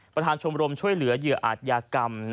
ประธานชมรมช่วยเหลือเหยื่ออาจยากรรม